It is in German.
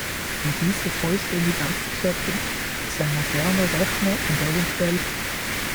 Um diese vollständig auszuschöpfen, ist ein moderner Rechner und evtl.